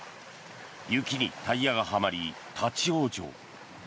雪にタイヤがはまり立ち往生。